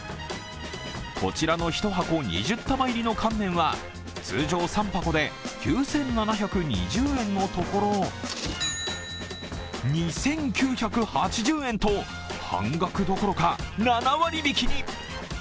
こちらの１箱２０束入りの乾麺は通常３箱で９７２０円のところ、２９８０円と半額どころか７割引に！